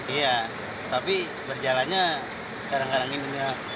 iya tapi berjalannya sekarang kadang ini ya